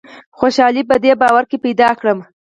خوشالي په دې باور کې پیدا کړم.